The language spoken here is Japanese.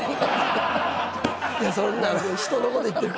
そんな人のこと言ってる。